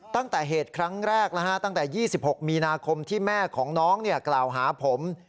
ตั้งแต่เหตุครั้งแรกตั้งแต่๒๖มีนาคมที่แม่ของน้องกล่าวหาผม